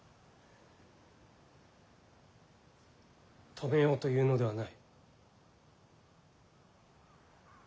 止めようというのではない。